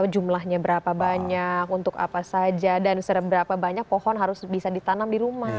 jumlahnya berapa banyak untuk apa saja dan sudah berapa banyak pohon harus bisa ditanam di rumah